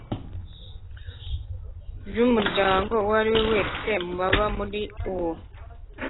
rw umuryango uwo ari wese mu baba muri uwo